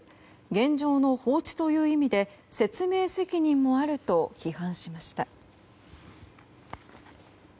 現状の放置という意味で説明責任もあると批判しました。